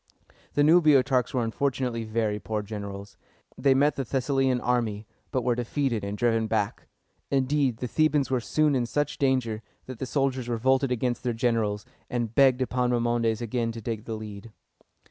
The new Boeotarchs were unfortunately very poor generals. They met the Thessalian army, but were defeated and driven back. Indeed, the Thebans were soon in such danger, that the soldiers revolted against their generals, and begged Epaminondas again to take the lead.